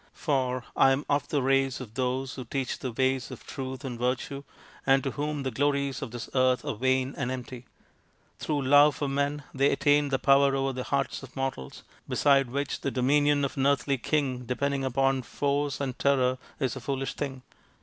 For I am of the race of those who teach the ways of Truth and Virtue and to whom the glories of this earth are vain and empty. Through love for men they attain to power over the hearts of mortals, beside which the dominion of an earthly <king de pending upon force and terror is a foolish thing.